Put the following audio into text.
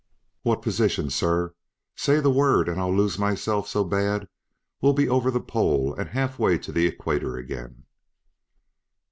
"What position, sir? Say the word and I'll lose myself so bad we'll be over the Pole and half way to the equator again!"